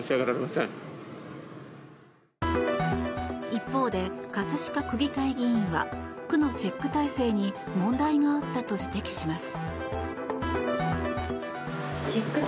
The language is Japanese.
一方で葛飾区議会議員は区のチェック体制に問題があったと指摘します。